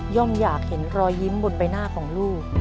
อยากเห็นรอยยิ้มบนใบหน้าของลูก